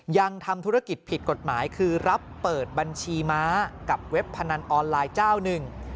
ยังทำธุรกิจผิดกฎหมายคือรับเปิดบัญชีม้ากับเว็บพนันออนไลน์เจ้าหนึ่ง